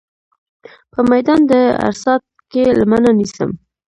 په میدان د عرصات کې لمنه نیسم.